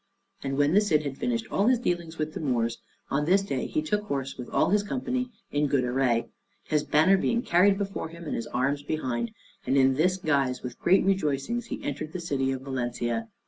And when the Cid had finished all his dealings with the Moors, on this day he took horse with all his company in good array, his banner being carried before him, and his arms behind; and in this guise, with great rejoicings he entered the city of Valencia.